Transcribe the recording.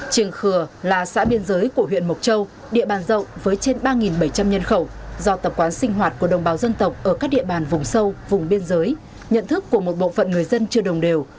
triềng khừa là xã biên giới của huyện mộc châu địa bàn rộng với trên ba bảy trăm linh nhân khẩu do tập quán sinh hoạt của đồng bào dân tộc ở các địa bàn vùng sâu vùng biên giới nhận thức của một bộ phận người dân chưa đồng đều